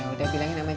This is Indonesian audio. udah bilangin sama cita